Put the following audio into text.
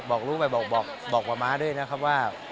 บอกลูกไปบอกกับม้าด้วยนะครับว่า